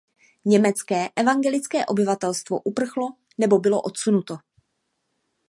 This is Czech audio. Německé evangelické obyvatelstvo uprchlo nebo bylo odsunuto.